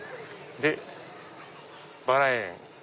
で「バラ園」。